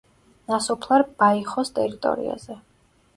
ნასოფლარ ბაიხოს ტერიტორიაზე.